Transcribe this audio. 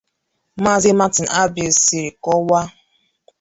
Maazị Martin Agbili siri kọwaa